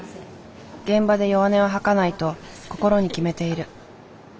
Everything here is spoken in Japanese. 「現場で弱音を吐かない」と心に決めている。